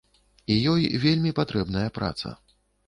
І ёй вельмі патрэбная праца.